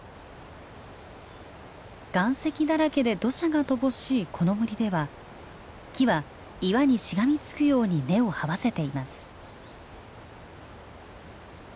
岩石だらけで土砂が乏しいこの森では木は岩にしがみつくように根をはわせています。